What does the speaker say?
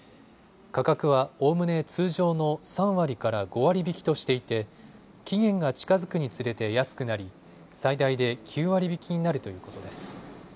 価格はおおむね通常の３割から５割引きとしていて期限が近づくにつれて安くなり最大で９割引きになるということです。